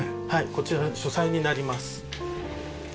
こちら書斎になります。